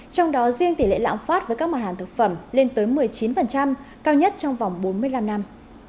trong đó riêng tỷ lệ lãng phát với các mặt hàng thực phẩm lên tới một mươi chín cao nhất trong vòng bốn mươi năm năm